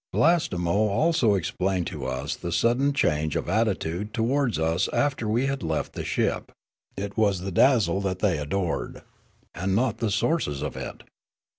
Blastemo also explained to us the sudden change of attitude towards us after we had left the ship ; it was the dazzle that they adored and not the sources of it.